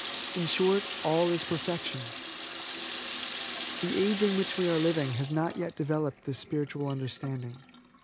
In short all is perfection. The age in which we are living has not yet developed this spiritual understanding.